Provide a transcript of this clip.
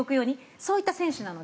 そういった選手なので。